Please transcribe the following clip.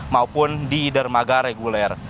maupun di dermaga reguler